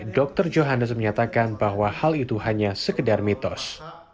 dr johannes menyatakan bahwa hal itu hanya sekedar mitos